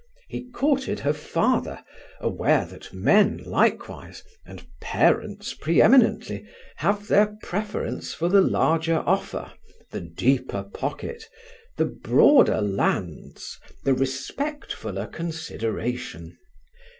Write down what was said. He courted her father, aware that men likewise, and parents pre eminently, have their preference for the larger offer, the deeper pocket, the broader lands, the respectfuller consideration.